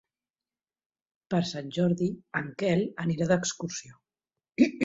Per Sant Jordi en Quel anirà d'excursió.